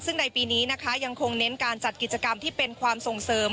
ซึ่งในปีนี้นะคะยังคงเน้นการจัดกิจกรรมที่เป็นความส่งเสริม